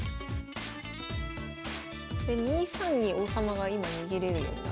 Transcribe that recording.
２三に王様が今逃げれるようになってますね。